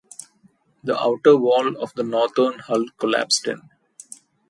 The outer wall of the northern hull collapsed in.